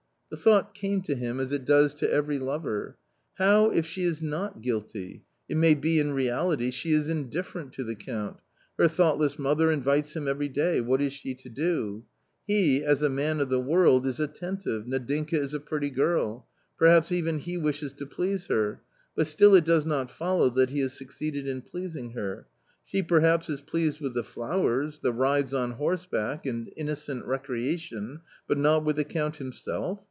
The thought came to him as it does to every lover :" How if she is not guilty ? it may be in reality she is indifferent to the Count ? Her thoughtless mother invites him every day ; what is she to do ? He, as a man of the world, is attentive, Nadinka is a pretty girl ; perhaps even he wishes to please her, but still it does not follow that he has succeeded in pleasing her. She perhaps is pleased with the flowers, the rides on horseback, and innocent recreation, but not with the Count himself